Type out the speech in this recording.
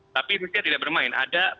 tapi rusia tidak bermain